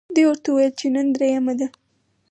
دوی ورته وویل چې نن درېیمه ده.